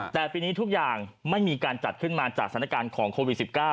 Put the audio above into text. แต่ปีนี้ทุกอย่างไม่มีการจัดขึ้นมาจากสถานการณ์ของโควิด๑๙